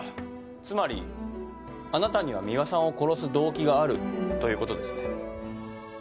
つまりあなたには美和さんを殺す動機があるということですね。